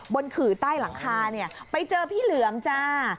บนขือใต้หลังคาไปเจอพี่เหลืองจ้า